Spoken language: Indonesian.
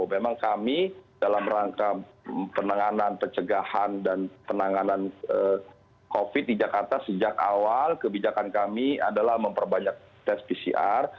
memang kami dalam rangka penanganan pencegahan dan penanganan covid di jakarta sejak awal kebijakan kami adalah memperbanyak tes pcr